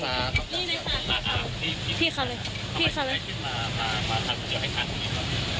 ทำไมถึงได้กินมาทานก๋วยเตี๋ยวให้ทาน